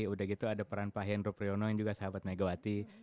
udah gitu ada peran pak hendro priyono yang juga sahabat megawati